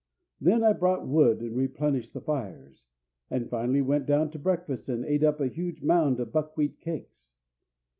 Then I brought wood and replenished the fires, and finally went down to breakfast and ate up a huge mound of buckwheat cakes.